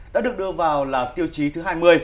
đã được đưa vào là tiêu chí thứ hai mươi